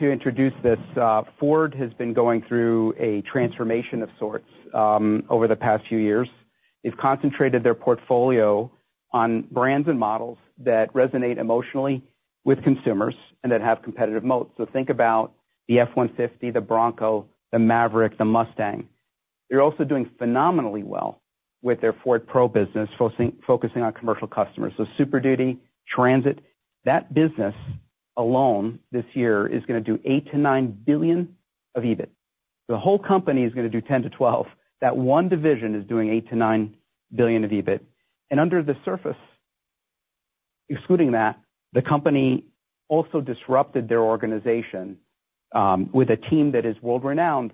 To introduce this, Ford has been going through a transformation of sorts over the past few years. They've concentrated their portfolio on brands and models that resonate emotionally with consumers and that have competitive moats. So think about the F-150, the Bronco, the Maverick, the Mustang. They're also doing phenomenally well with their Ford Pro business, focusing on commercial customers. So Super Duty, Transit, that business alone this year is going to do $8 billion-$9 billion of EBIT. The whole company is going to do $10 billion-$12 billion. That one division is doing $8 billion-$9 billion of EBIT. And under the surface, excluding that, the company also disrupted their organization with a team that is world-renowned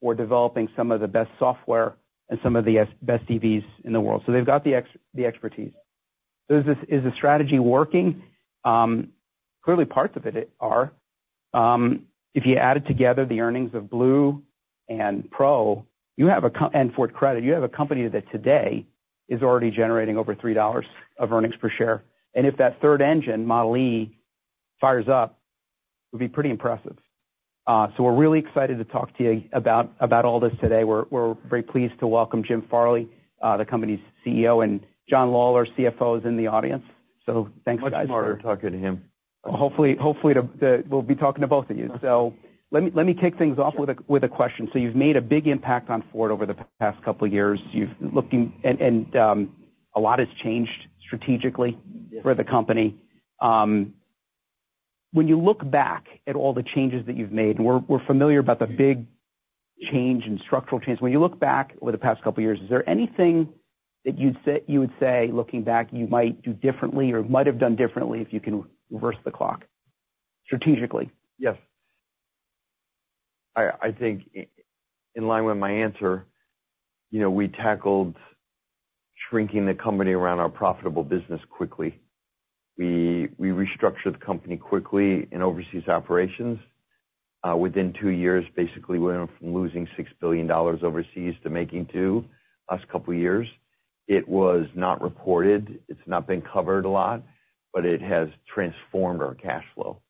for developing some of the best software and some of the best EVs in the world. So they've got the expertise. So is the strategy working? Clearly, parts of it are. If you add it together, the earnings of Blue and Pro, you have a and Ford Credit, you have a company that today is already generating over $3 of earnings per share. And if that third engine, Model e, fires up, it would be pretty impressive. So we're really excited to talk to you about all this today. We're very pleased to welcome Jim Farley, the company's CEO, and John Lawler, CFO, is in the audience. So thanks, guys. Much smarter talking to him. Hopefully, we'll be talking to both of you. Let me kick things off with a question. You've made a big impact on Ford over the past couple of years. A lot has changed strategically for the company. When you look back at all the changes that you've made and we're familiar about the big change and structural change. When you look back over the past couple of years, is there anything that you'd say, looking back, you might do differently or might have done differently if you can reverse the clock strategically? Yes. I think in line with my answer, we tackled shrinking the company around our profitable business quickly. We restructured the company quickly in overseas operations. Within two years, basically, we went from losing $6 billion overseas to making $2 billion the last couple of years. It was not reported. It's not been covered a lot, but it has transformed our cash flow.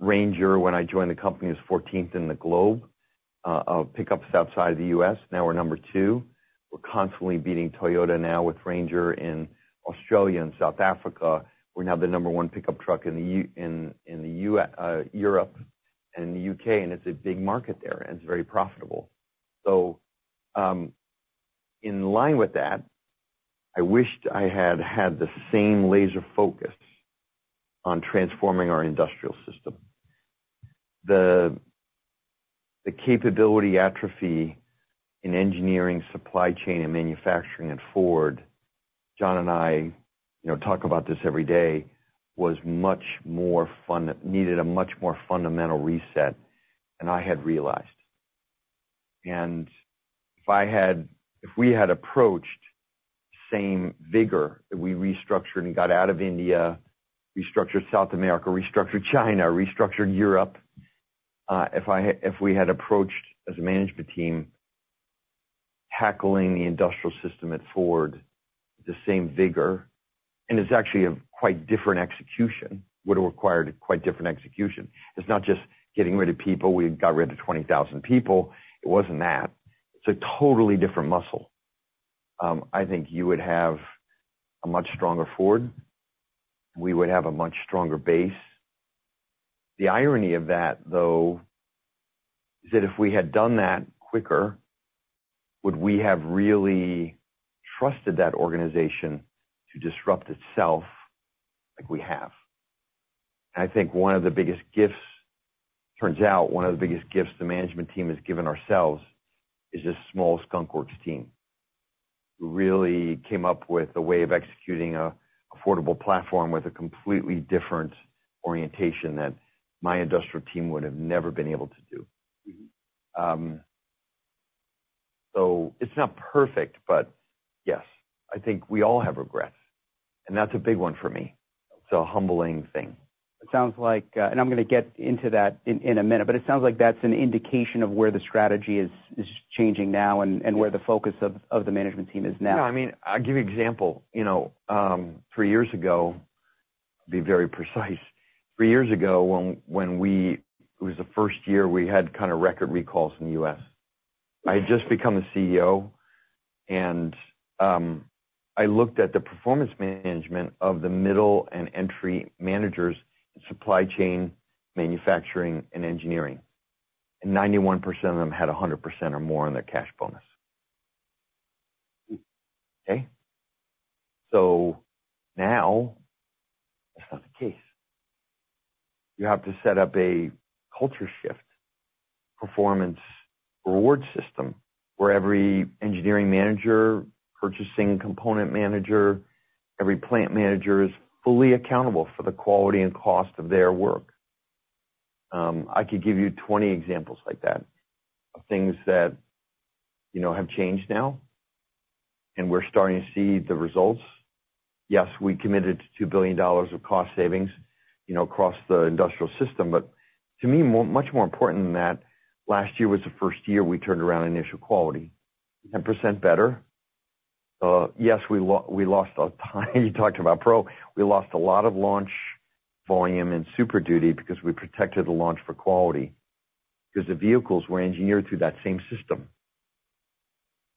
Ranger, when I joined the company, was 14th in the globe of pickups outside of the U.S. Now we're Number 2. We're constantly beating Toyota now with Ranger in Australia and South Africa. We're now the number one pickup truck in Europe and in the U.K. And it's a big market there, and it's very profitable. So in line with that, I wished I had had the same laser focus on transforming our industrial system. The capability atrophy in engineering, supply chain, and manufacturing at Ford, John and I talk about this every day, was much more fun needed a much more fundamental reset than I had realized. And if we had approached same vigor that we restructured and got out of India, restructured South America, restructured China, restructured Europe, if we had approached as a management team tackling the industrial system at Ford with the same vigor and it's actually a quite different execution would have required quite different execution. It's not just getting rid of people. We got rid of 20,000 people. It wasn't that. It's a totally different muscle. I think you would have a much stronger Ford. We would have a much stronger base. The irony of that, though, is that if we had done that quicker, would we have really trusted that organization to disrupt itself like we have? I think one of the biggest gifts turns out one of the biggest gifts the management team has given ourselves is this small skunkworks team who really came up with a way of executing an affordable platform with a completely different orientation that my industrial team would have never been able to do. It's not perfect, but yes, I think we all have regrets. That's a big one for me. It's a humbling thing. It sounds like and I'm going to get into that in a minute. But it sounds like that's an indication of where the strategy is changing now and where the focus of the management team is now. Yeah. I mean, I'll give you an example. Three years ago I'll be very precise. Three years ago, when it was the first year we had kind of record recalls in the U.S. I had just become the CEO. And I looked at the performance management of the middle and entry managers in supply chain, manufacturing, and engineering. And 91% of them had 100% or more in their cash bonus. Okay? So now that's not the case. You have to set up a culture shift performance reward system where every engineering manager, purchasing component manager, every plant manager is fully accountable for the quality and cost of their work. I could give you 20 examples like that of things that have changed now, and we're starting to see the results. Yes, we committed to $2 billion of cost savings across the industrial system. To me, much more important than that, last year was the first year we turned around initial quality. 10% better. Yes, we lost a lot of you talked about Pro. We lost a lot of launch volume in Super Duty because we protected the launch for quality because the vehicles were engineered through that same system.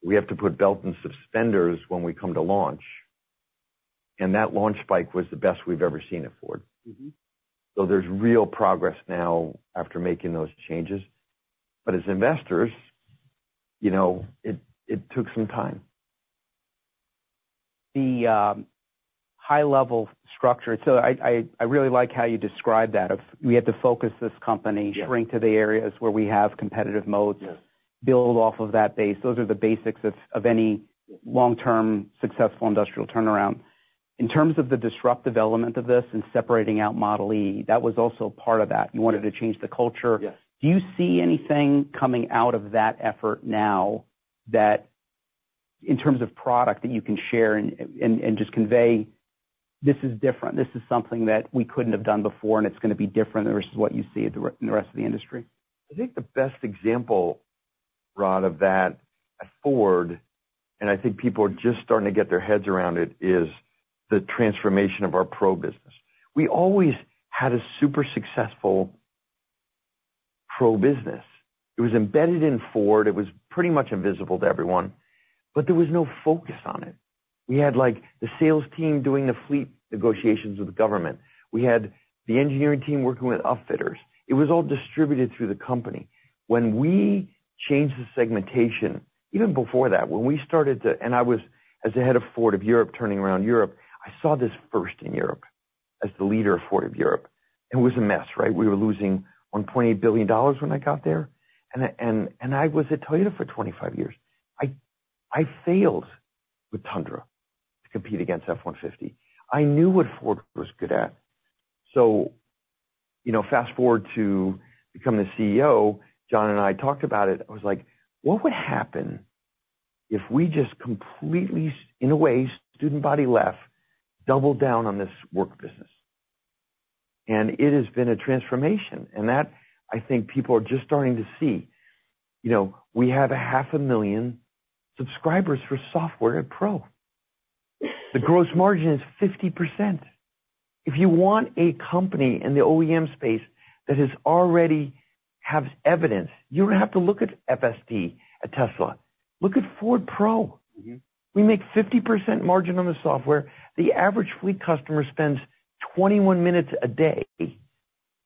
We have to put belt and suspenders when we come to launch. That launch spike was the best we've ever seen at Ford. There's real progress now after making those changes. As investors, it took some time. The high-level structure so I really like how you describe that of we had to focus this company, shrink to the areas where we have competitive moats, build off of that base. Those are the basics of any long-term successful industrial turnaround. In terms of the disruptive element of this and separating out Model e, that was also part of that. You wanted to change the culture. Do you see anything coming out of that effort now in terms of product that you can share and just convey, "This is different. This is something that we couldn't have done before, and it's going to be different," versus what you see in the rest of the industry? I think the best example, Rod, of that at Ford, and I think people are just starting to get their heads around it, is the transformation of our Pro business. We always had a super successful Pro business. It was embedded in Ford. It was pretty much invisible to everyone. But there was no focus on it. We had the sales team doing the fleet negotiations with the government. We had the engineering team working with upfitters. It was all distributed through the company. When we changed the segmentation, even before that, when we started to and I was as the head of Ford of Europe turning around Europe, I saw this first in Europe as the leader of Ford of Europe. And it was a mess, right? We were losing $1.8 billion when I got there. And I was at Toyota for 25 years. I failed with Tundra to compete against F-150. I knew what Ford was good at. So fast forward to becoming the CEO. John and I talked about it. I was like, "What would happen if we just completely, in a way, student body left, doubled down on this work business?" And it has been a transformation. And that, I think, people are just starting to see. We have 500,000 subscribers for software at Pro. The gross margin is 50%. If you want a company in the OEM space that already has evidence, you don't have to look at FSD at Tesla. Look at Ford Pro. We make 50% margin on the software. The average fleet customer spends 21-minutes a day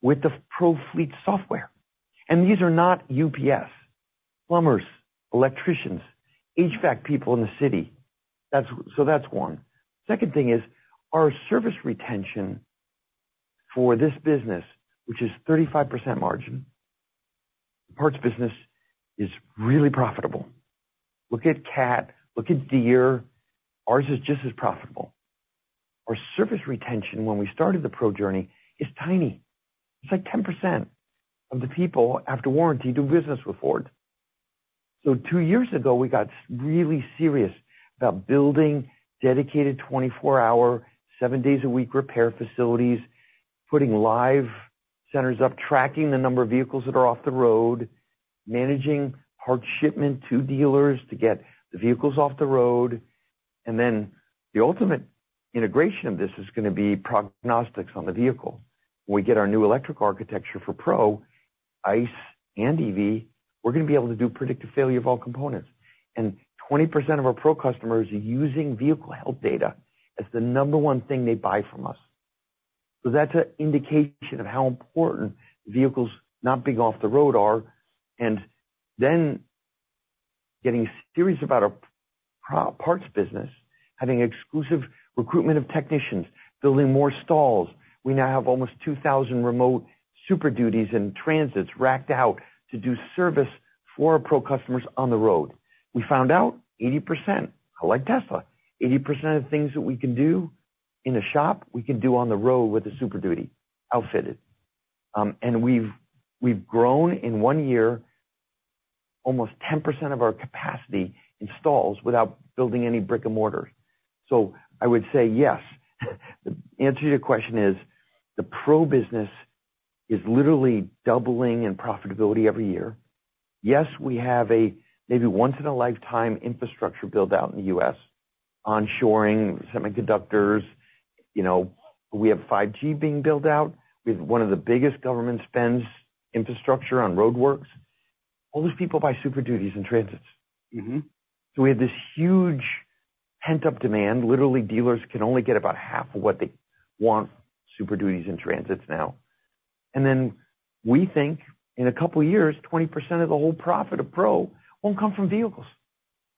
with the Pro fleet software. And these are not UPS, plumbers, electricians, HVAC people in the city. So that's one. Second thing is, our service retention for this business, which is 35% margin, the parts business is really profitable. Look at CAT. Look at Deere. Ours is just as profitable. Our service retention, when we started the Pro journey, is tiny. It's like 10% of the people after warranty do business with Ford. So two years ago, we got really serious about building dedicated 24-hour, seven days a week repair facilities, putting live centers up, tracking the number of vehicles that are off the road, managing part shipment to dealers to get the vehicles off the road. And then the ultimate integration of this is going to be prognostics on the vehicle. When we get our new electric architecture for Pro, ICE and EV, we're going to be able to do predictive failure of all components. 20% of our Pro customers are using vehicle health data as the number one thing they buy from us. So that's an indication of how important vehicles not being off the road are. And then getting serious about our parts business, having exclusive recruitment of technicians, building more stalls. We now have almost 2,000 remote Super Duties and Transits racked out to do service for our Pro customers on the road. We found out 80% I like Tesla. 80% of the things that we can do in a shop, we can do on the road with a Super Duty, outfitted. And we've grown in one year almost 10% of our capacity in stalls without building any brick and mortar. So I would say yes. The answer to your question is, the Pro business is literally doubling in profitability every year. Yes, we have a maybe once-in-a-lifetime infrastructure buildout in the U.S., onshoring, semiconductors. We have 5G being built out. We have one of the biggest government spends infrastructure on roadworks. All those people buy Super Duty and Transit. So we have this huge pent-up demand. Literally, dealers can only get about half of what they want Super Duty and Transit now. And then we think in a couple of years, 20% of the whole profit of Pro won't come from vehicles.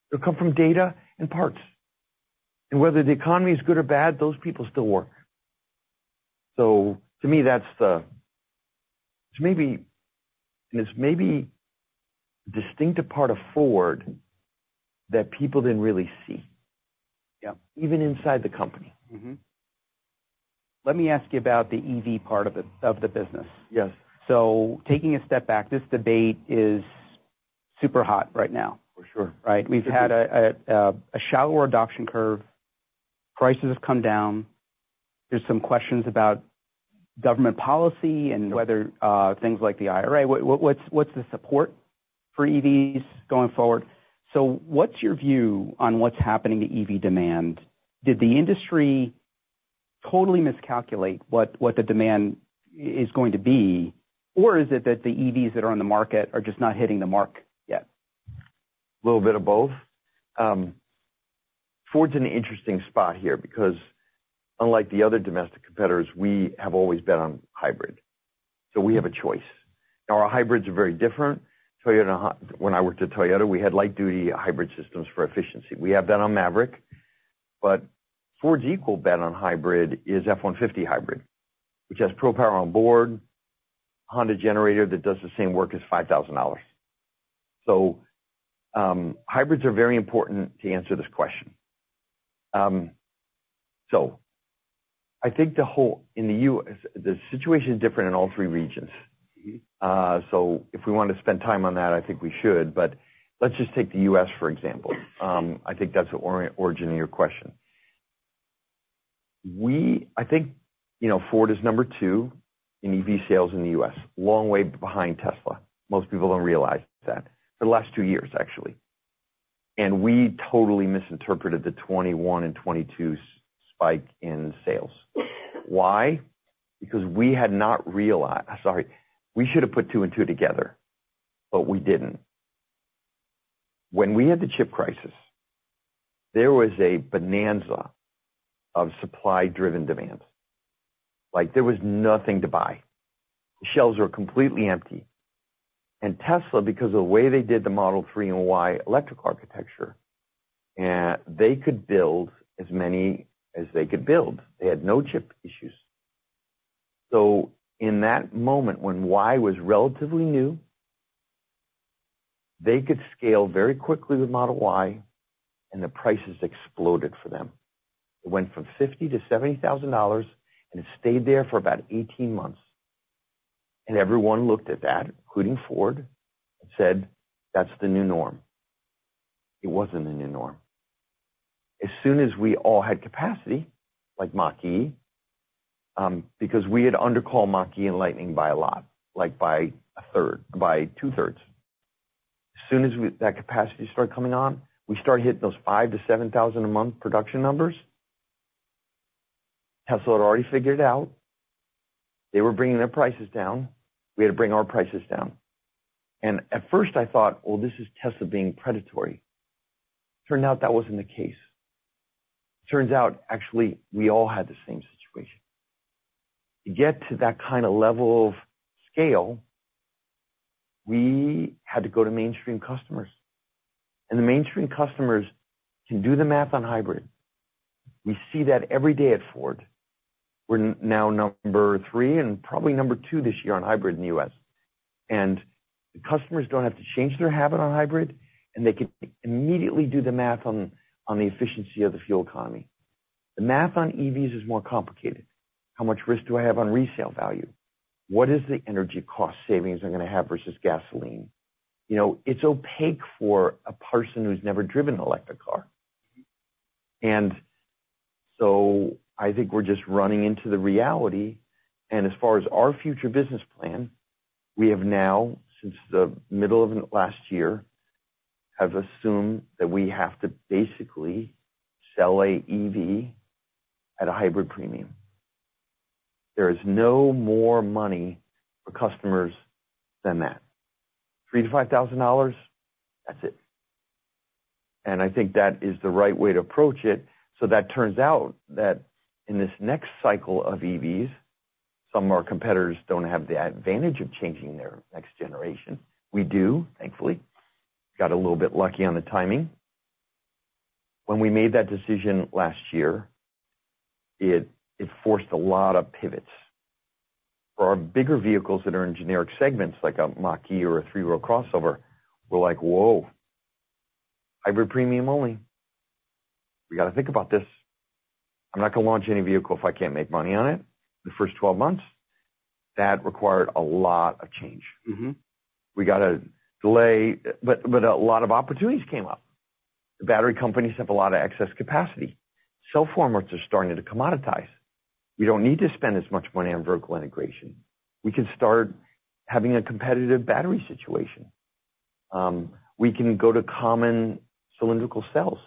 They'll come from data and parts. And whether the economy is good or bad, those people still work. So to me, that's the it's maybe a distinct part of Ford that people didn't really see, even inside the company. Let me ask you about the EV part of the business. So taking a step back, this debate is super hot right now, right? We've had a shallower adoption curve. Prices have come down. There's some questions about government policy and whether things like the IRA, what's the support for EVs going forward? So what's your view on what's happening to EV demand? Did the industry totally miscalculate what the demand is going to be? Or is it that the EVs that are on the market are just not hitting the mark yet? A little bit of both. Ford's in an interesting spot here because unlike the other domestic competitors, we have always bet on hybrid. So we have a choice. Now, our hybrids are very different. When I worked at Toyota, we had light-duty hybrid systems for efficiency. We have that on Maverick. But Ford's equal bet on hybrid is F-150 hybrid, which has Pro Power Onboard, Honda generator that does the same work as $5,000. So hybrids are very important to answer this question. So I think the whole in the U.S., the situation is different in all three regions. So if we want to spend time on that, I think we should. But let's just take the U.S., for example. I think that's the origin of your question. I think Ford is number two in EV sales in the U.S., long way behind Tesla. Most people don't realize that for the last two years, actually. We totally misinterpreted the 2021 and 2022 spike in sales. Why? Because we had not realized sorry. We should have put two and two together, but we didn't. When we had the chip crisis, there was a bonanza of supply-driven demand. There was nothing to buy. The shelves were completely empty. Tesla, because of the way they did the Model 3 and Y electric architecture, they could build as many as they could build. They had no chip issues. So in that moment, when Y was relatively new, they could scale very quickly with Model Y, and the prices exploded for them. It went from $50,000-$70,000, and it stayed there for about 18 months. Everyone looked at that, including Ford, and said, "That's the new norm." It wasn't the new norm. As soon as we all had capacity like Mach-E because we had undercalled Mach-E and Lightning by a lot, like by a third, by two-thirds. As soon as that capacity started coming on, we started hitting those 5,000-7,000 a month production numbers. Tesla had already figured it out. They were bringing their prices down. We had to bring our prices down. And at first, I thought, "Well, this is Tesla being predatory." Turned out that wasn't the case. Turns out, actually, we all had the same situation. To get to that kind of level of scale, we had to go to mainstream customers. And the mainstream customers can do the math on hybrid. We see that every day at Ford. We're now number three and probably number two this year on hybrid in the U.S. The customers don't have to change their habit on hybrid, and they can immediately do the math on the efficiency of the fuel economy. The math on EVs is more complicated. How much risk do I have on resale value? What is the energy cost savings I'm going to have versus gasoline? It's opaque for a person who's never driven an electric car. And so I think we're just running into the reality. And as far as our future business plan, we have now, since the middle of last year, assumed that we have to basically sell a EV at a hybrid premium. There is no more money for customers than that. $3,000-$5,000, that's it. And I think that is the right way to approach it. So that turns out that in this next cycle of EVs, some of our competitors don't have the advantage of changing their next generation. We do, thankfully. Got a little bit lucky on the timing. When we made that decision last year, it forced a lot of pivots. For our bigger vehicles that are in generic segments like a Mach-E or a three-row crossover, we're like, "Whoa. Hybrid premium only. We got to think about this. I'm not going to launch any vehicle if I can't make money on it in the first 12 months." That required a lot of change. We got to delay. But a lot of opportunities came up. The battery companies have a lot of excess capacity. Cell formats are starting to commoditize. We don't need to spend as much money on vertical integration. We can start having a competitive battery situation. We can go to common cylindrical cells.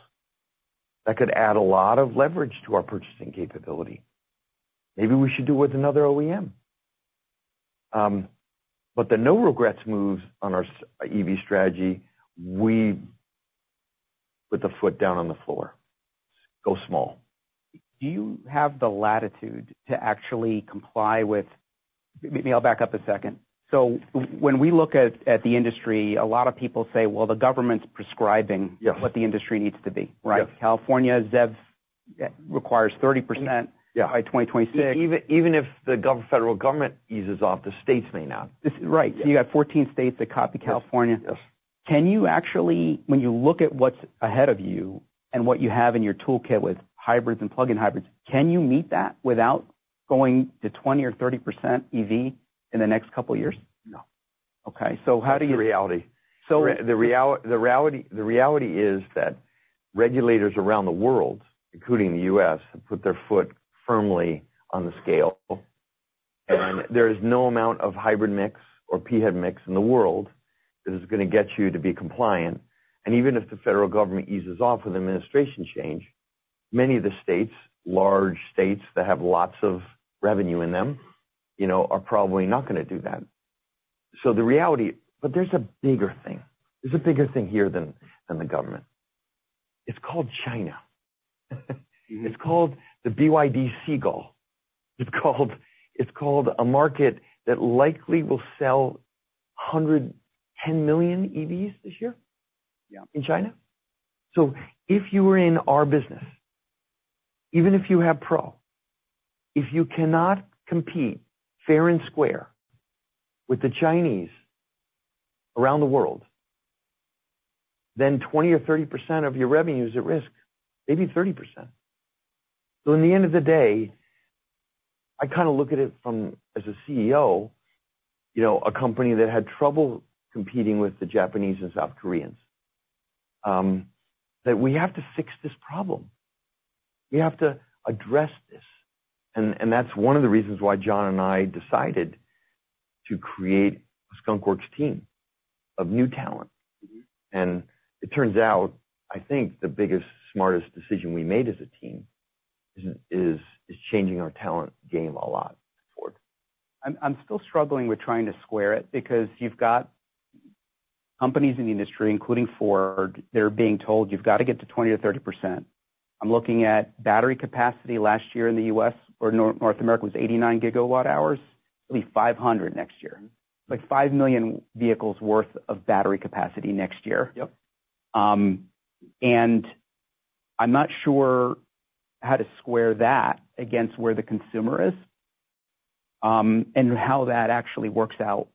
That could add a lot of leverage to our purchasing capability. Maybe we should do it with another OEM. But the no-regrets moves on our EV strategy, we put the foot down on the floor, go small. Do you have the latitude to actually comply with? Let me back up a second. So when we look at the industry, a lot of people say, "Well, the government's prescribing what the industry needs to be," right? California, ZEV requires 30% by 2026. Even if the federal government eases off, the states may not. Right. So you got 14 states that copy California. When you look at what's ahead of you and what you have in your toolkit with hybrids and plug-in hybrids, can you meet that without going to 20% or 30% EV in the next couple of years? No. Okay. So how do you? That's the reality. The reality is that regulators around the world, including the U.S., have put their foot firmly on the scale. There is no amount of hybrid mix or PHEV mix in the world that is going to get you to be compliant. Even if the federal government eases off with administration change, many of the states, large states that have lots of revenue in them, are probably not going to do that. So the reality, but there's a bigger thing. There's a bigger thing here than the government. It's called China. It's called the BYD Seagull. It's called a market that likely will sell 110 million EVs this year in China. So if you are in our business, even if you have Pro, if you cannot compete fair and square with the Chinese around the world, then 20% or 30% of your revenue is at risk, maybe 30%. So in the end of the day, I kind of look at it as a CEO, a company that had trouble competing with the Japanese and South Koreans, that we have to fix this problem. We have to address this. And that's one of the reasons why John and I decided to create a Skunk Works team of new talent. And it turns out, I think, the biggest, smartest decision we made as a team is changing our talent game a lot at Ford. I'm still struggling with trying to square it because you've got companies in the industry, including Ford, that are being told, "You've got to get to 20% or 30%." I'm looking at battery capacity last year in the U.S. or North America was 89 GWh, maybe 500 next year, like 5 million vehicles' worth of battery capacity next year. And I'm not sure how to square that against where the consumer is and how that actually works out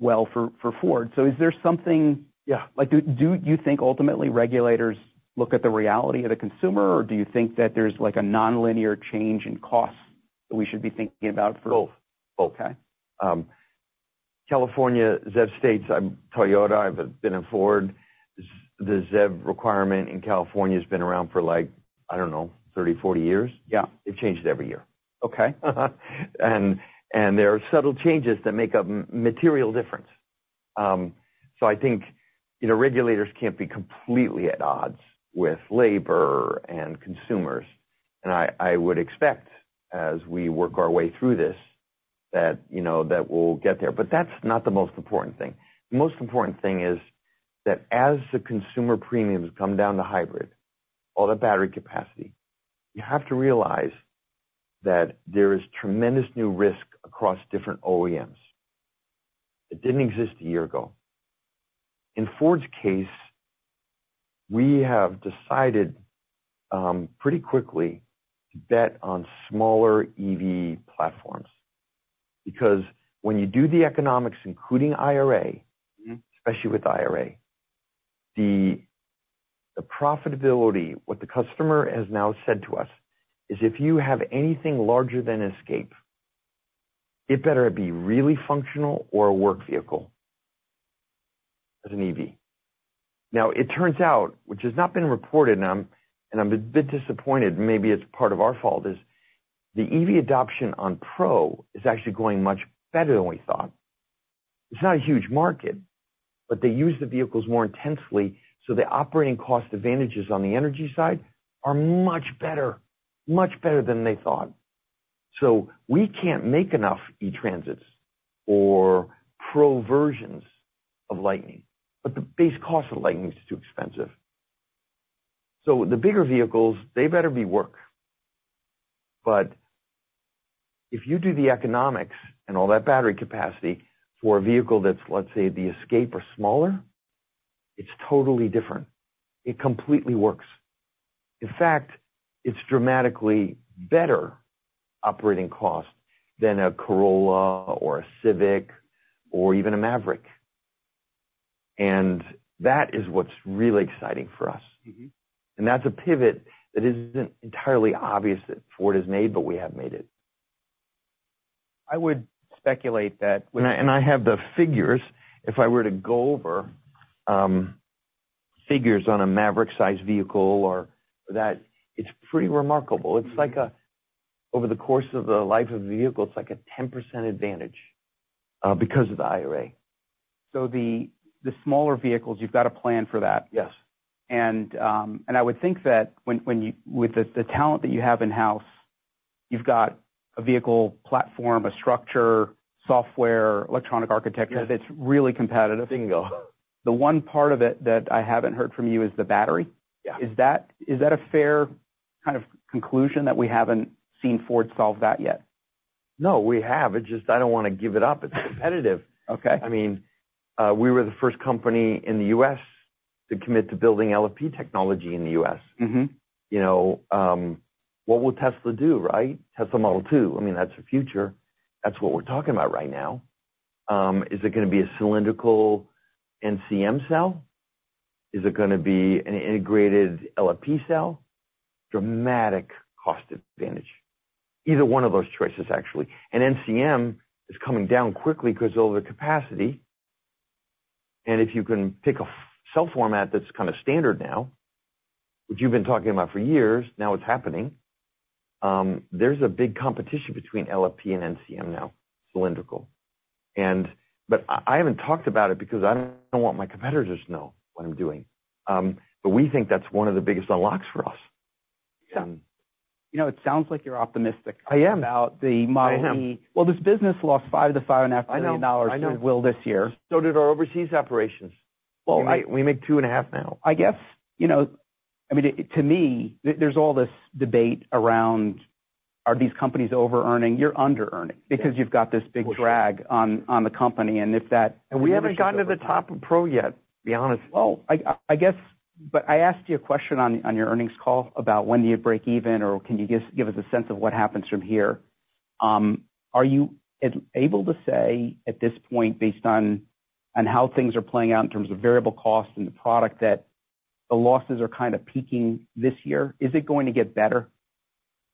well for Ford. So is there something do you think, ultimately, regulators look at the reality of the consumer, or do you think that there's a nonlinear change in cost that we should be thinking about for? Both. Both. California ZEV states. I'm Toyota. I've been in Ford. The ZEV requirement in California has been around for, I don't know, 30, 40 years. It changes every year. There are subtle changes that make a material difference. So I think regulators can't be completely at odds with labor and consumers. I would expect, as we work our way through this, that we'll get there. But that's not the most important thing. The most important thing is that as the consumer premiums come down to hybrid, all that battery capacity, you have to realize that there is tremendous new risk across different OEMs. It didn't exist a year ago. In Ford's case, we have decided pretty quickly to bet on smaller EV platforms because when you do the economics, including IRA, especially with IRA, the profitability, what the customer has now said to us is, "If you have anything larger than Escape, it better be really functional or a work vehicle as an EV." Now, it turns out, which has not been reported, and I'm a bit disappointed, and maybe it's part of our fault, is the EV adoption on Pro is actually going much better than we thought. It's not a huge market, but they use the vehicles more intensely. So the operating cost advantages on the energy side are much better, much better than they thought. So we can't make enough E-Transits or Pro versions of Lightning. But the base cost of Lightning is too expensive. So the bigger vehicles, they better be work. But if you do the economics and all that battery capacity for a vehicle that's, let's say, the Escape or smaller, it's totally different. It completely works. In fact, it's dramatically better operating cost than a Corolla or a Civic or even a Maverick. And that is what's really exciting for us. And that's a pivot that isn't entirely obvious that Ford has made, but we have made it. I would speculate that with. I have the figures. If I were to go over figures on a Maverick-sized vehicle or that, it's pretty remarkable. Over the course of the life of the vehicle, it's like a 10% advantage because of the IRA. The smaller vehicles, you've got a plan for that. I would think that with the talent that you have in-house, you've got a vehicle platform, a structure, software, electronic architecture that's really competitive. Bingo. The one part of it that I haven't heard from you is the battery. Is that a fair kind of conclusion that we haven't seen Ford solve that yet? No, we have. It's just I don't want to give it up. It's competitive. I mean, we were the first company in the U.S. to commit to building LFP technology in the U.S. What will Tesla do, right? Tesla Model 2. I mean, that's the future. That's what we're talking about right now. Is it going to be a cylindrical NCM cell? Is it going to be an integrated LFP cell? Dramatic cost advantage, either one of those choices, actually. And NCM is coming down quickly because of the capacity. And if you can pick a cell format that's kind of standard now, which you've been talking about for years, now it's happening. There's a big competition between LFP and NCM now, cylindrical. But I haven't talked about it because I don't want my competitors to know what I'm doing. But we think that's one of the biggest unlocks for us. Yeah. It sounds like you're optimistic about the Model e. Well, this business lost $5 million-$5.5 million to Will this year. I know. So did our overseas operations. We make 2.5 now. I guess, I mean, to me, there's all this debate around, "Are these companies over-earning?" You're under-earning because you've got this big drag on the company. And if that. We haven't gotten to the top of Pro yet, to be honest. Well, I guess, but I asked you a question on your earnings call about when do you break even, or can you give us a sense of what happens from here? Are you able to say at this point, based on how things are playing out in terms of variable cost and the product, that the losses are kind of peaking this year? Is it going to get better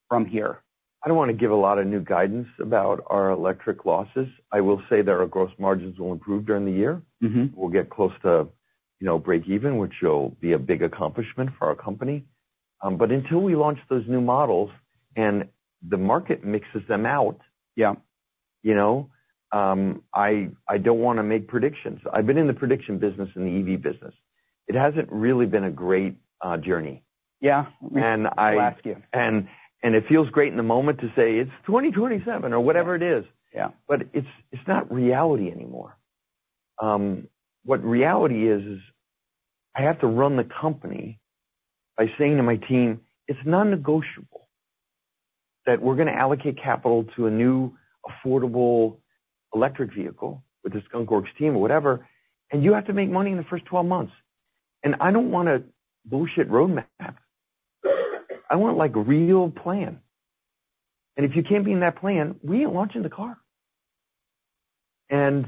from here? I don't want to give a lot of new guidance about our electric losses. I will say that our gross margins will improve during the year. We'll get close to break even, which will be a big accomplishment for our company. But until we launch those new models and the market mixes them out, I don't want to make predictions. I've been in the prediction business and the EV business. It hasn't really been a great journey. Yeah. We'll ask you. It feels great in the moment to say, "It's 2027," or whatever it is. But it's not reality anymore. What reality is, is I have to run the company by saying to my team, "It's non-negotiable that we're going to allocate capital to a new affordable electric vehicle with the Skunk Works team or whatever, and you have to make money in the first 12 months." And I don't want a bullshit roadmap. I want a real plan. And if you can't be in that plan, we ain't launching the car. And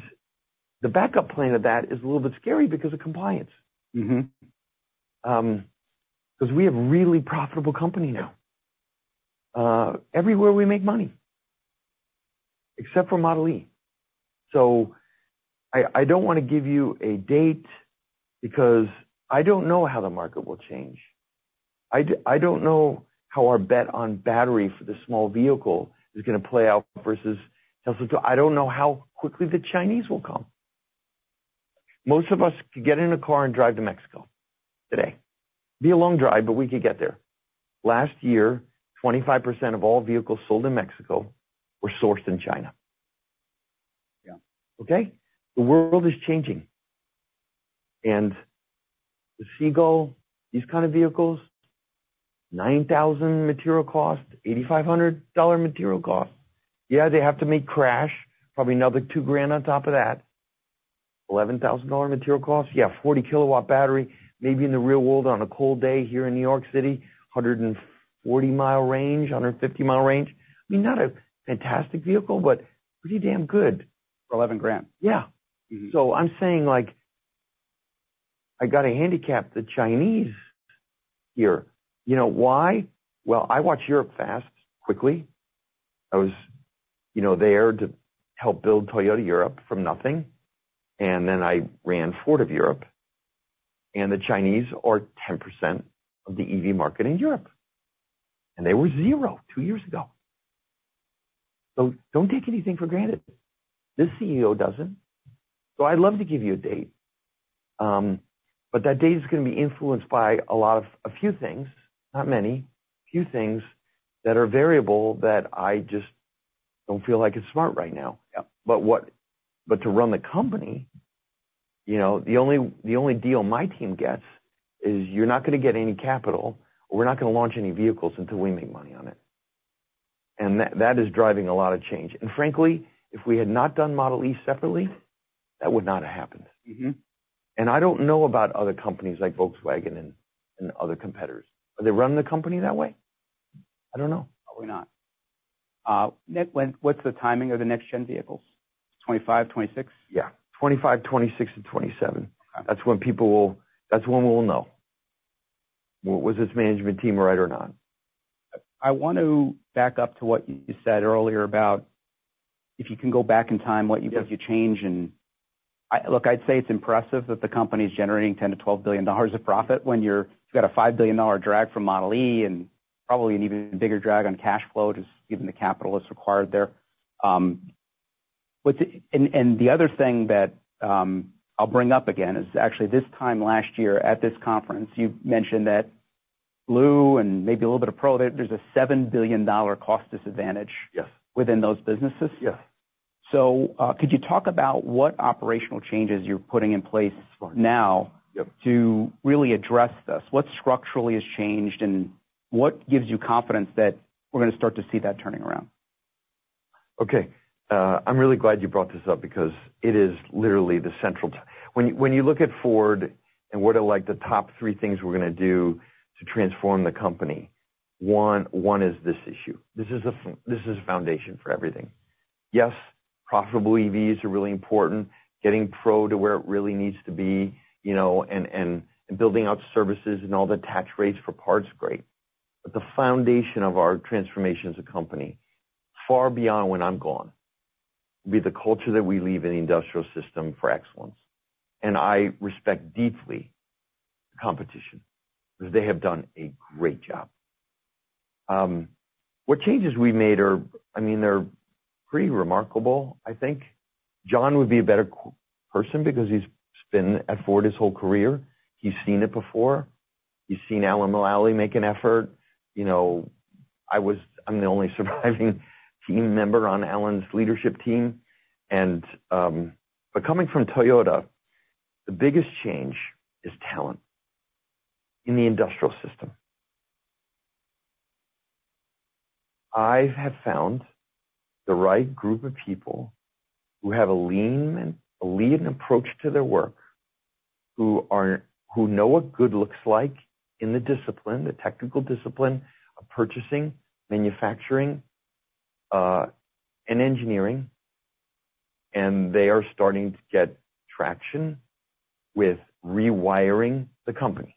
the backup plan of that is a little bit scary because of compliance because we have a really profitable company now. Everywhere we make money except for Model e. So I don't want to give you a date because I don't know how the market will change. I don't know how our bet on battery for the small vehicle is going to play out versus Tesla 2. I don't know how quickly the Chinese will come. Most of us could get in a car and drive to Mexico today. Be a long drive, but we could get there. Last year, 25% of all vehicles sold in Mexico were sourced in China. Okay? The world is changing. And the Seagull, these kind of vehicles, $9,000 material cost, $8,500 material cost. Yeah, they have to make crash, probably another $2,000 on top of that, $11,000 material cost. Yeah, 40 kW battery, maybe in the real world on a cold day here in New York City, 140-mile range, 150-mile range. I mean, not a fantastic vehicle, but pretty damn good. For $11,000. Yeah. So I'm saying I got a handicap, the Chinese here. Why? Well, I watched Europe fast, quickly. I was there to help build Toyota Europe from nothing. And then I ran Ford of Europe. And the Chinese are 10% of the EV market in Europe. And they were zero two years ago. So don't take anything for granted. This CEO doesn't. So I'd love to give you a date. But that date is going to be influenced by a few things, not many, few things that are variable that I just don't feel like it's smart right now. But to run the company, the only deal my team gets is you're not going to get any capital, or we're not going to launch any vehicles until we make money on it. And that is driving a lot of change. Frankly, if we had not done Model e separately, that would not have happened. I don't know about other companies like Volkswagen and other competitors. Are they running the company that way? I don't know. Probably not. What's the timing of the next-gen vehicles? 2025, 2026? Yeah. 2025, 2026, and 2027. That's when people will, that's when we'll know. Was this management team right or not? I want to back up to what you said earlier about if you can go back in time, what you think you change. Look, I'd say it's impressive that the company's generating $10 billion-$12 billion of profit when you've got a $5 billion drag from Model e and probably an even bigger drag on cash flow just given the capital that's required there. The other thing that I'll bring up again is actually this time last year at this conference, you mentioned that Blue and maybe a little bit of Pro, there's a $7 billion cost disadvantage within those businesses. So could you talk about what operational changes you're putting in place now to really address this? What structurally has changed, and what gives you confidence that we're going to start to see that turning around? Okay. I'm really glad you brought this up because it is literally the central when you look at Ford and what are the top three things we're going to do to transform the company, one is this issue. This is a foundation for everything. Yes, profitable EVs are really important, getting Pro to where it really needs to be, and building out services and all the tax rates for parts, great. But the foundation of our transformation as a company, far beyond when I'm gone, will be the culture that we leave in the industrial system for excellence. And I respect deeply the competition because they have done a great job. What changes we've made are, I mean, they're pretty remarkable, I think. John would be a better person because he's been at Ford his whole career. He's seen it before. He's seen Alan Mulally make an effort. I'm the only surviving team member on Alan's leadership team. But coming from Toyota, the biggest change is talent in the industrial system. I have found the right group of people who have a lean and alien approach to their work, who know what good looks like in the discipline, the technical discipline of purchasing, manufacturing, and engineering. And they are starting to get traction with rewiring the company,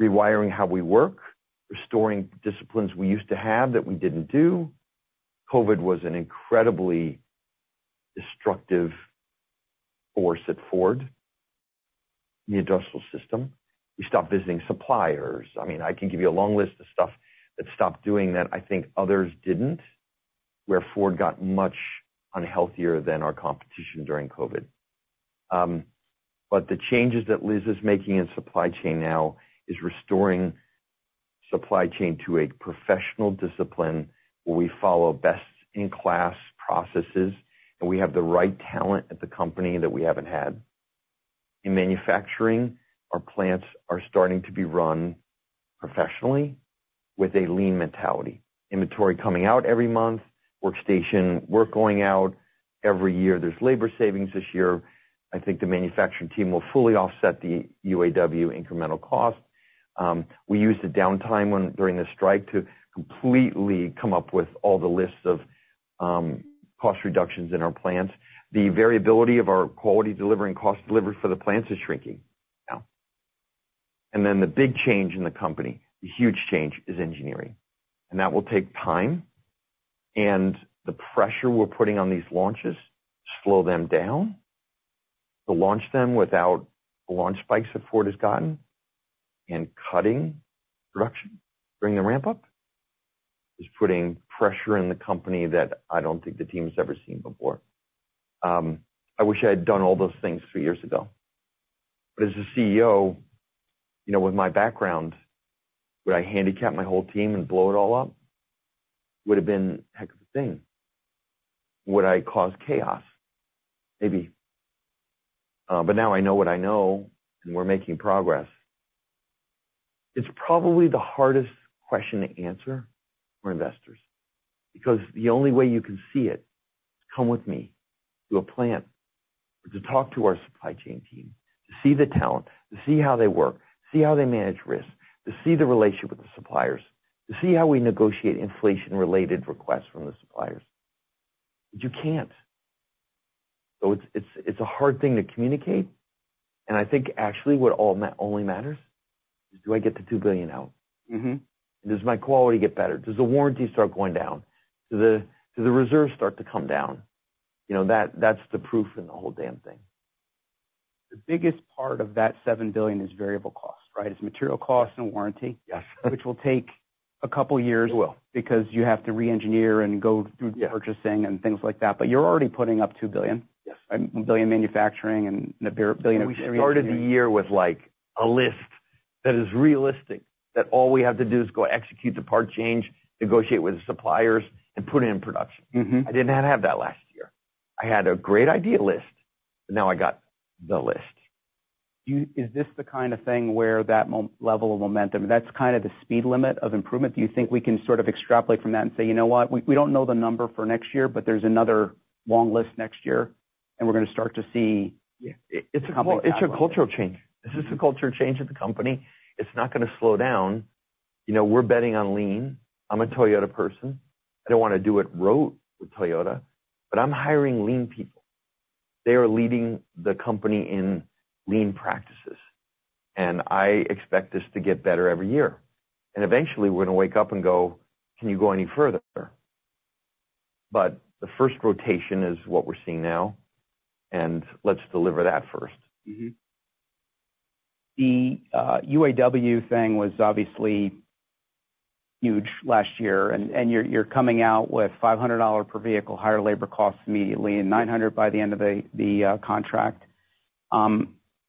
rewiring how we work, restoring disciplines we used to have that we didn't do. COVID was an incredibly destructive force at Ford, the industrial system. We stopped visiting suppliers. I mean, I can give you a long list of stuff that stopped doing that I think others didn't, where Ford got much unhealthier than our competition during COVID. But the changes that Liz is making in supply chain now is restoring supply chain to a professional discipline where we follow best-in-class processes, and we have the right talent at the company that we haven't had. In manufacturing, our plants are starting to be run professionally with a lean mentality, inventory coming out every month, workstation work going out every year. There's labor savings this year. I think the manufacturing team will fully offset the UAW incremental cost. We used the downtime during the strike to completely come up with all the lists of cost reductions in our plants. The variability of our quality delivery and cost delivery for the plants is shrinking now. Then the big change in the company, the huge change, is engineering. That will take time. The pressure we're putting on these launches to slow them down, to launch them without the launch spikes that Ford has gotten, and cutting production during the ramp-up is putting pressure in the company that I don't think the team has ever seen before. I wish I had done all those things three years ago. But as a CEO, with my background, would I handicap my whole team and blow it all up? It would have been a heck of a thing. Would I cause chaos? Maybe. But now I know what I know, and we're making progress. It's probably the hardest question to answer for investors because the only way you can see it is come with me to a plant or to talk to our supply chain team, to see the talent, to see how they work, to see how they manage risk, to see the relationship with the suppliers, to see how we negotiate inflation-related requests from the suppliers. But you can't. So it's a hard thing to communicate. And I think actually what only matters is, "Do I get the $2 billion out? Does my quality get better? Does the warranty start going down? Do the reserves start to come down?" That's the proof in the whole damn thing. The biggest part of that $7 billion is variable cost, right? It's material cost and warranty, which will take a couple of years because you have to re-engineer and go through purchasing and things like that. But you're already putting up $2 billion, $1 billion manufacturing and $1 billion of. We started the year with a list that is realistic, that all we have to do is go execute the part change, negotiate with the suppliers, and put it in production. I didn't have that last year. I had a great idea list, but now I got the list. Is this the kind of thing where that level of momentum, that's kind of the speed limit of improvement? Do you think we can sort of extrapolate from that and say, "You know what? We don't know the number for next year, but there's another long list next year, and we're going to start to see a couple of advantages"? It's a cultural change. This is a cultural change at the company. It's not going to slow down. We're betting on lean. I'm a Toyota person. I don't want to do it rote with Toyota, but I'm hiring lean people. They are leading the company in lean practices. And I expect this to get better every year. And eventually, we're going to wake up and go, "Can you go any further?" But the first rotation is what we're seeing now. And let's deliver that first. The UAW thing was obviously huge last year. You're coming out with $500 per vehicle, higher labor costs immediately, and $900 by the end of the contract.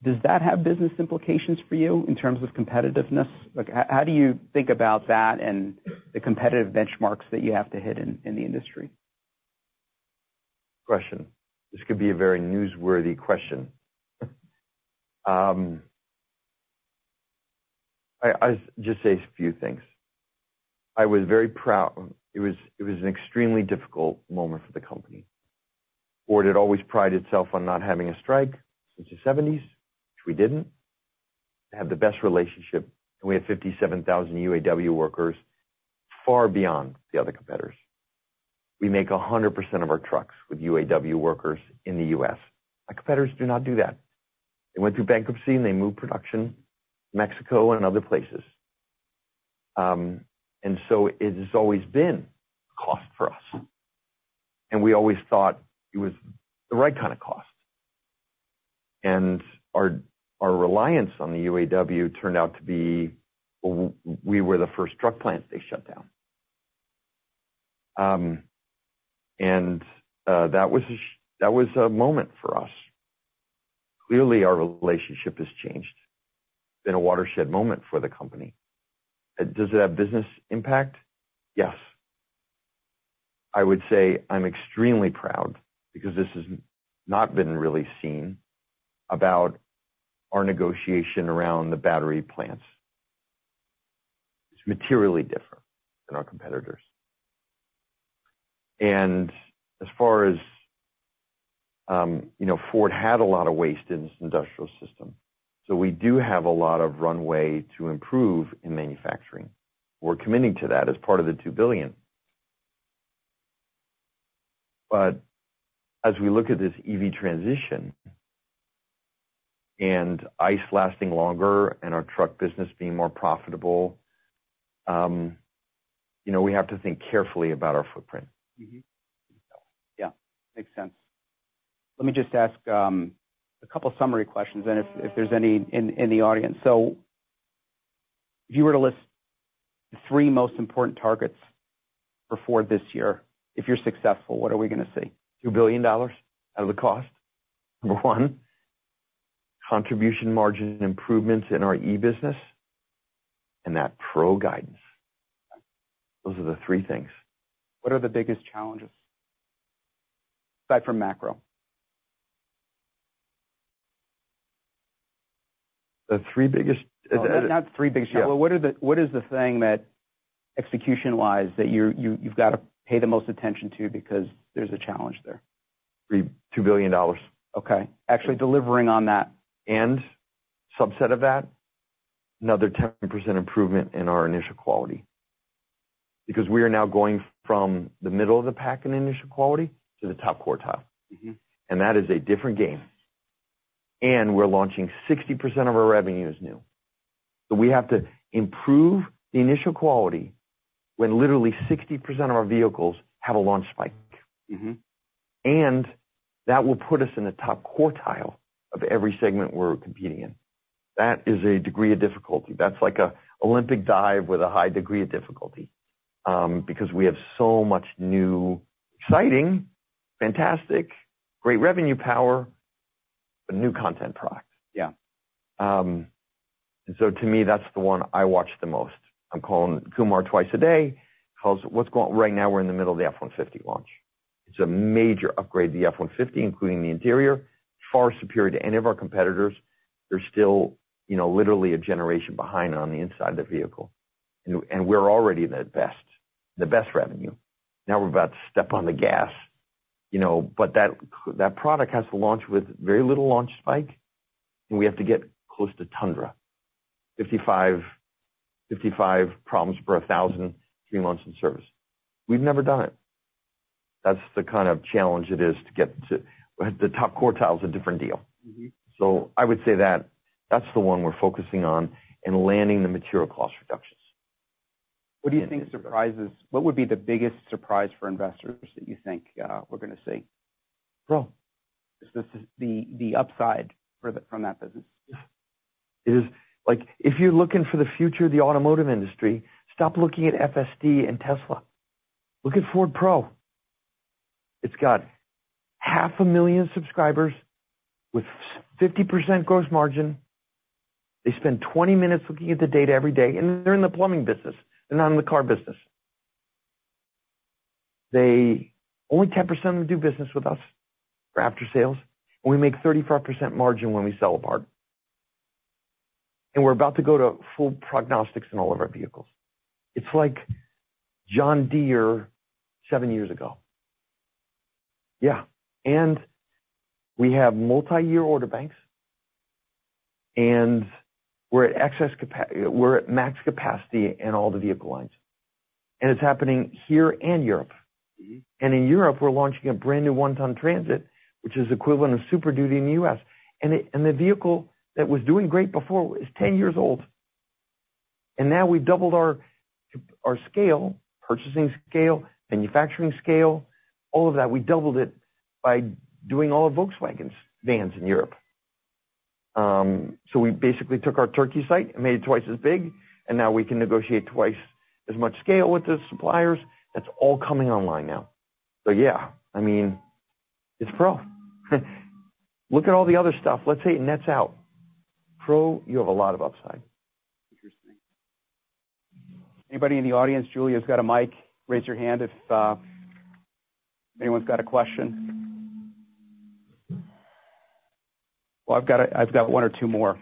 Does that have business implications for you in terms of competitiveness? How do you think about that and the competitive benchmarks that you have to hit in the industry? Good question. This could be a very newsworthy question. I'll just say a few things. I was very proud. It was an extremely difficult moment for the company. Ford had always prided itself on not having a strike since the 1970s, which we didn't, to have the best relationship. We had 57,000 UAW workers, far beyond the other competitors. We make 100% of our trucks with UAW workers in the U.S. Our competitors do not do that. They went through bankruptcy, and they moved production to Mexico and other places. It has always been a cost for us. We always thought it was the right kind of cost. Our reliance on the UAW turned out to be, "Well, we were the first truck plant they shut down." That was a moment for us. Clearly, our relationship has changed. It's been a watershed moment for the company. Does it have business impact? Yes. I would say I'm extremely proud because this has not been really seen about our negotiation around the battery plants. It's materially different than our competitors. And as far as Ford had a lot of waste in this industrial system, so we do have a lot of runway to improve in manufacturing. We're committing to that as part of the $2 billion. But as we look at this EV transition and ICE lasting longer and our truck business being more profitable, we have to think carefully about our footprint. Yeah. Makes sense. Let me just ask a couple of summary questions, then if there's any in the audience. So if you were to list the three most important targets for Ford this year, if you're successful, what are we going to see? $2 billion out of the cost, number one, contribution margin improvements in our e-business, and that Pro guidance. Those are the three things. What are the biggest challenges aside from macro? The three biggest. Not three biggest challenges. What is the thing that, execution-wise, that you've got to pay the most attention to because there's a challenge there? $2 billion. Okay. Actually, delivering on that. Subset of that, another 10% improvement in our initial quality because we are now going from the middle of the pack in initial quality to the top quartile. That is a different game. We're launching 60% of our revenue is new. So we have to improve the initial quality when literally 60% of our vehicles have a launch spike. That will put us in the top quartile of every segment we're competing in. That is a degree of difficulty. That's like an Olympic dive with a high degree of difficulty because we have so much new, exciting, fantastic, great revenue power, but new content products. So to me, that's the one I watch the most. I'm calling Kumar twice a day. He calls, "What's going on?" Right now, we're in the middle of the F-150 launch. It's a major upgrade to the F-150, including the interior, far superior to any of our competitors. They're still literally a generation behind on the inside of the vehicle. And we're already in the best revenue. Now we're about to step on the gas. But that product has to launch with very little launch spike, and we have to get close to Tundra, 55 problems per 1,000, three months in service. We've never done it. That's the kind of challenge it is to get to the top quartile is a different deal. So I would say that that's the one we're focusing on and landing the material cost reductions. What do you think surprises? What would be the biggest surprise for investors that you think we're going to see? Pro. The upside from that business. It is. If you're looking for the future of the automotive industry, stop looking at FSD and Tesla. Look at Ford Pro. It's got 500,000 subscribers with 50% gross margin. They spend 20 minutes looking at the data every day. They're in the plumbing business. They're not in the car business. Only 10% of them do business with us for after sales. We make 35% margin when we sell a part. We're about to go to full prognostics in all of our vehicles. It's like John Deere seven years ago. Yeah. We have multi-year order banks. We're at max capacity in all the vehicle lines. It's happening here and Europe. In Europe, we're launching a brand-new one-ton Transit, which is equivalent to Super Duty in the U.S. The vehicle that was doing great before is 10 years old. And now we've doubled our scale, purchasing scale, manufacturing scale, all of that. We doubled it by doing all of Volkswagen's vans in Europe. So we basically took our Turkey site and made it twice as big. And now we can negotiate twice as much scale with the suppliers. That's all coming online now. So yeah, I mean, it's Pro. Look at all the other stuff. Let's say it nets out. Pro, you have a lot of upside. Interesting. Anybody in the audience? Julia's got a mic. Raise your hand if anyone's got a question. Well, I've got one or two more.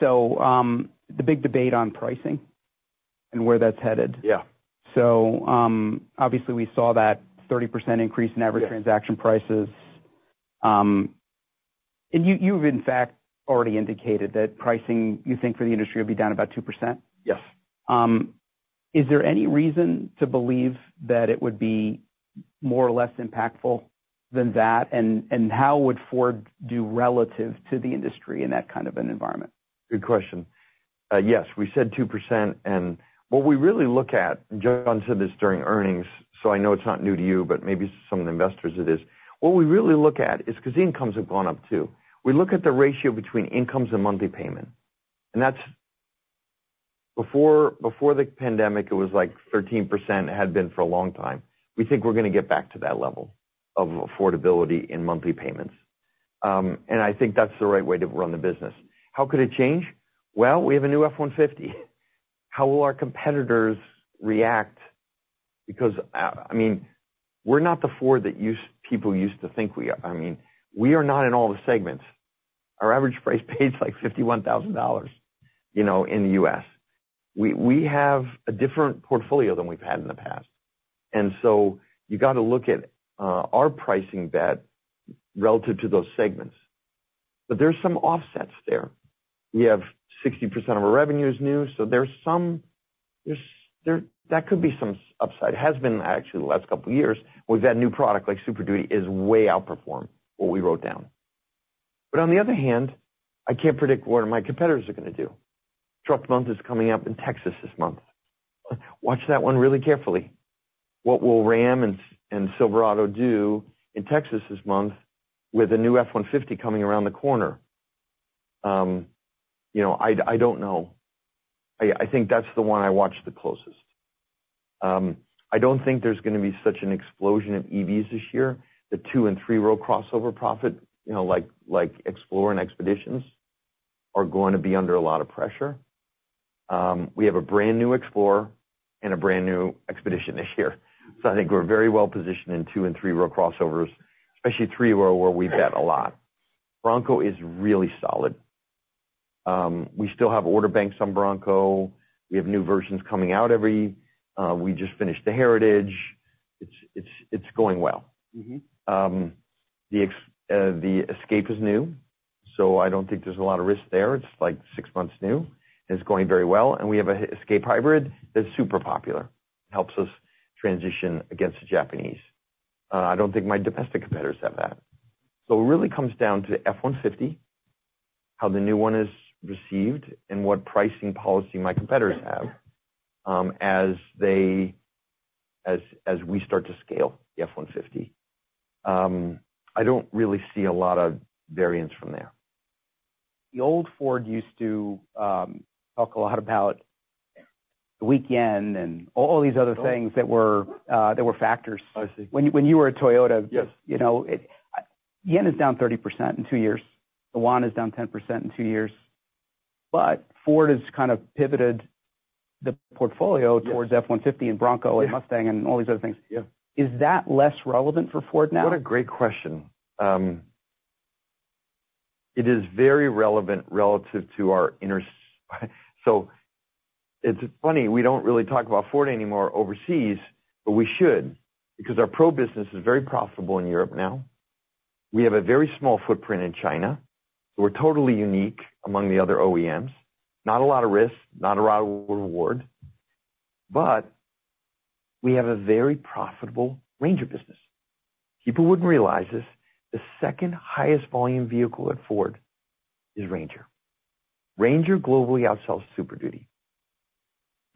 So the big debate on pricing and where that's headed. So obviously, we saw that 30% increase in average transaction prices. And you've, in fact, already indicated that pricing, you think, for the industry will be down about 2%. Is there any reason to believe that it would be more or less impactful than that? And how would Ford do relative to the industry in that kind of an environment? Good question. Yes. We said 2%. And what we really look at, and John said this during earnings, so I know it's not new to you, but maybe some of the investors it is. What we really look at is because the incomes have gone up too. We look at the ratio between incomes and monthly payment. And before the pandemic, it was like 13%. It had been for a long time. We think we're going to get back to that level of affordability in monthly payments. And I think that's the right way to run the business. How could it change? Well, we have a new F-150. How will our competitors react? Because I mean, we're not the Ford that people used to think we are. I mean, we are not in all the segments. Our average price pays like $51,000 in the U.S. We have a different portfolio than we've had in the past. So you got to look at our pricing bet relative to those segments. But there's some offsets there. We have 60% of our revenue is new. So there could be some upside. It has been actually the last couple of years. We've had new product like Super Duty is way outperform what we wrote down. But on the other hand, I can't predict what my competitors are going to do. Truck Month is coming up in Texas this month. Watch that one really carefully. What will Ram and Silverado do in Texas this month with a new F-150 coming around the corner? I don't know. I think that's the one I watch the closest. I don't think there's going to be such an explosion of EVs this year. The two- and three-row crossover profit, like Explorer and Expeditions, are going to be under a lot of pressure. We have a brand new Explorer and a brand new Expedition this year. So I think we're very well positioned in two- and three-row crossovers, especially three-row where we bet a lot. Bronco is really solid. We still have order banks on Bronco. We have new versions coming out every we just finished the Heritage. It's going well. The Escape is new. So I don't think there's a lot of risk there. It's like six months new. It's going very well. We have an Escape Hybrid that's super popular. It helps us transition against the Japanese. I don't think my domestic competitors have that. So it really comes down to the F-150, how the new one is received, and what pricing policy my competitors have as we start to scale the F-150. I don't really see a lot of variance from there. The old Ford used to talk a lot about the weekend and all these other things that were factors. When you were at Toyota, yen is down 30% in two years. The yuan is down 10% in two years. But Ford has kind of pivoted the portfolio towards F-150 and Bronco and Mustang and all these other things. Is that less relevant for Ford now? What a great question. It is very relevant relative to our so it's funny. We don't really talk about Ford anymore overseas, but we should because our Pro business is very profitable in Europe now. We have a very small footprint in China. So we're totally unique among the other OEMs. Not a lot of risk, not a lot of reward. But we have a very profitable Ranger business. People wouldn't realize this. The second highest volume vehicle at Ford is Ranger. Ranger globally outsells Super Duty.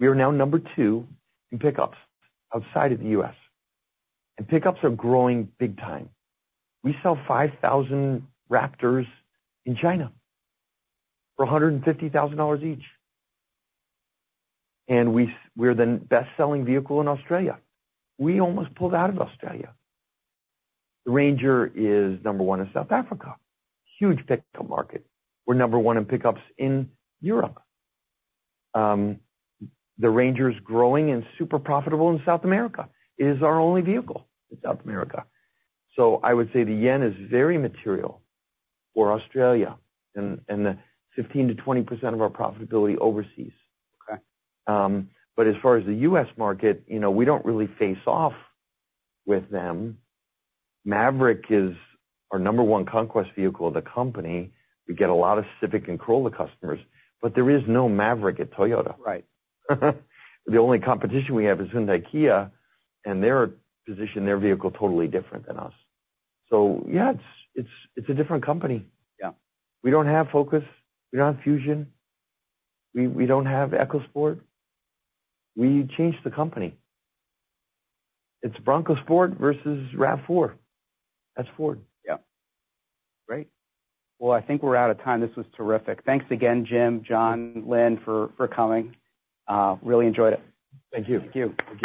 We are now number two in pickups outside of the U.S. And pickups are growing big time. We sell 5,000 Raptors in China for $150,000 each. And we're the best-selling vehicle in Australia. We almost pulled out of Australia. The Ranger is number one in South Africa, huge pickup market. We're number one in pickups in Europe. The Ranger is growing and super profitable in South America. It is our only vehicle in South America. So I would say the yen is very material for Australia and the 15%-20% of our profitability overseas. But as far as the U.S. market, we don't really face off with them. Maverick is our number one conquest vehicle of the company. We get a lot of Civic and Corolla customers. But there is no Maverick at Toyota. The only competition we have is Hyundai Kia. And they position their vehicle totally different than us. So yeah, it's a different company. We don't have Focus. We don't have Fusion. We don't have EcoSport. We changed the company. It's Bronco Sport versus RAV4. That's Ford. Yeah. Great. Well, I think we're out of time. This was terrific. Thanks again, Jim, John, Lynn, for coming. Really enjoyed it. Thank you. Thank you.